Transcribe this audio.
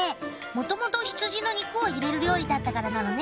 もともと羊の肉を入れる料理だったからなのね。